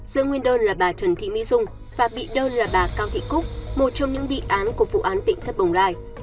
giữa nguyên đơn là bà trần thị mỹ dung và bị đơn là bà cao thị cúc một trong những bị án của vụ án tỉnh thất bồng lai